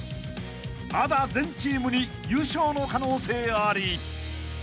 ［まだ全チームに優勝の可能性あり］